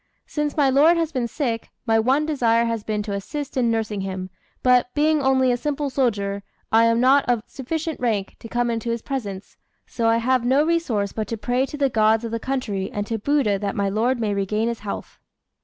Since my lord has been sick, my one desire has been to assist in nursing him; but, being only a simple soldier, I am not of sufficient rank to come into his presence, so I have no resource but to pray to the gods of the country and to Buddha that my lord may regain his health."